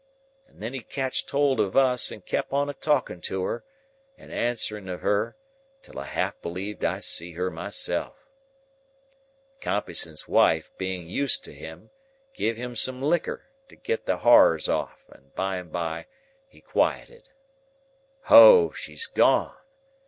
And then he catched hold of us, and kep on a talking to her, and answering of her, till I half believed I see her myself. "Compeyson's wife, being used to him, giv him some liquor to get the horrors off, and by and by he quieted. 'O, she's gone!